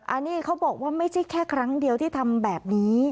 อันนี้เขาบอกว่าไม่ใช่แค่ครั้งเดียวที่ทำแบบนี้